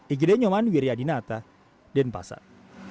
ikhden nyoman wirjadinata denpasar